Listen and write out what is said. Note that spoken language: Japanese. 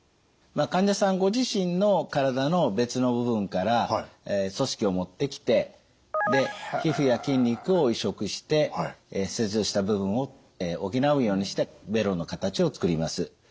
患者さんご自身の体の別の部分から組織を持ってきてで皮膚や筋肉を移植して切除した部分を補うようにしてベロの形を作ります。